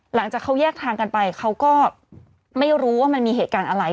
หลังจากเขาแยกทางกันไปเขาก็ไม่รู้ว่ามันมีเหตุการณ์อะไร